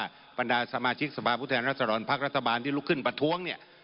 ว่าปรรณาสมาชิกสภาพุทธแห่งรัฐสรรค์ภาครัฐบาลที่ลุกขึ้นประท้วงเนี่ย